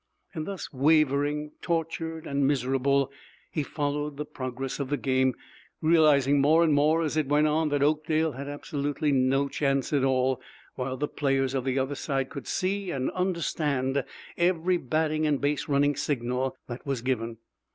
Thus, wavering, tortured and miserable, he followed the progress of the game, realizing more and more as it went on that Oakdale had absolutely no chance at all while the players of the other side could see and understand every batting and base running signal that was given.